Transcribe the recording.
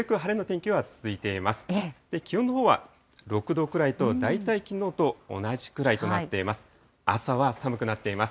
気温のほうは６度くらいと、大体きのうと同じくらいとなっています。